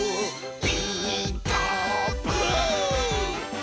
「ピーカーブ！」